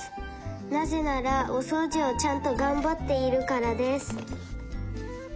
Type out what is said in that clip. なぜならおそうじをちゃんとがんばっているからです」。